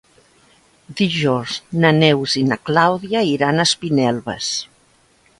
Dijous na Neus i na Clàudia iran a Espinelves.